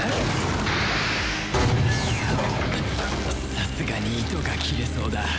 さすがに糸が切れそうだ。